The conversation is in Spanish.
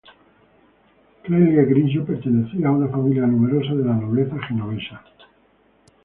Clelia Grillo pertenecía a una familia numerosa de la nobleza genovesa.